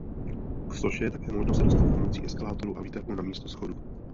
K soše je také možno se dostat pomocí eskalátorů a výtahů namísto schodů.